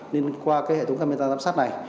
nên qua hệ thống camera giám sát này